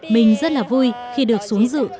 mình rất là vui khi được xuống dự